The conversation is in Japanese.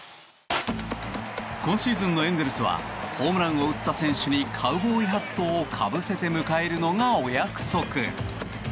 今シーズンのエンゼルスはホームランを打った選手にカウボーイハットをかぶせて迎えるのがお約束。